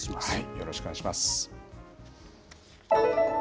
よろしくお願いします。